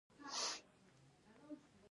تقدیرنامه د هڅونې نښه ده